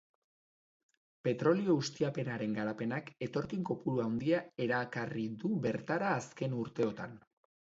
Petrolio-ustiapenaren garapenak etorkin kopuru handia erakarri du bertara azken urteotan.